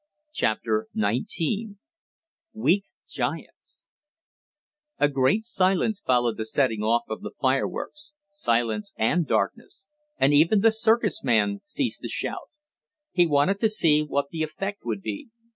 CHAPTER XIX WEAK GIANTS A great silence followed the setting off of the fireworks silence and darkness and even the circus man ceased to shout. He wanted to see what the effect would be.